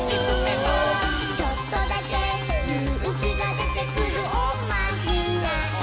「ちょっとだけゆうきがでてくるおまじない」